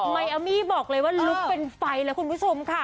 มายอามี่บอกเลยว่าลุกเป็นไฟแล้วคุณผู้ชมค่ะ